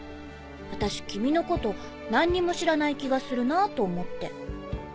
私君のこと何にも知らない気がするなと思って。